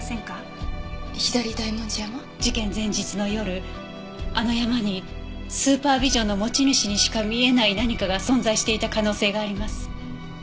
事件前日の夜あの山にスーパービジョンの持ち主にしか見えない何かが存在していた可能性があります。